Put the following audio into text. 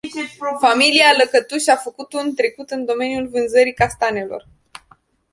Familia Lăcătuș și-a făcut un trecut în domeniul vânzării castanelor.